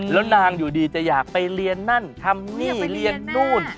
แล้วนางอยู่ดีจะอยากไปเรียนนั่นทำนี่เรียนนู่น